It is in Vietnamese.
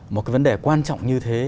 một cái vấn đề quan trọng như thế